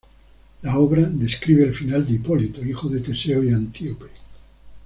La obra describe el final de Hipólito, hijo de Teseo y Antíope.